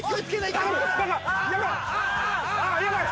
あっやばい！